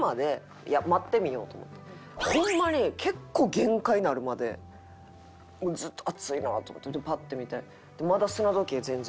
ホンマにもうずっと暑いなと思ってパッて見てまだ砂時計全然。